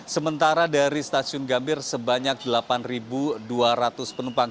sementara dari stasiun gambir sebanyak delapan dua ratus penumpang